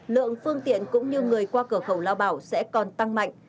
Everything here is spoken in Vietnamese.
lượng phương tiện cũng như người qua cửa khẩu lao bảo sẽ còn tăng mạnh